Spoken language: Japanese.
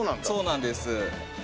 そうなんです。